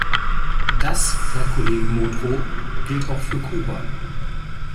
Das, Herr Kollege Modrow, gilt auch für Kuba.